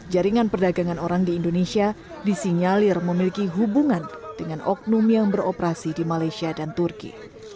jaringan perdagangan orang di indonesia disinyalir memiliki hubungan dengan oknum yang beroperasi di malaysia dan turki